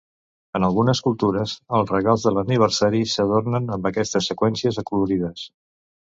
En algunes cultures els regals de l'aniversari s'adornen amb aquestes seqüències acolorides.